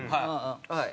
はい。